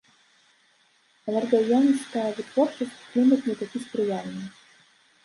Энергаёмістая вытворчасць і клімат не такі спрыяльны.